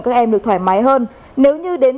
các em được thoải mái hơn nếu như đến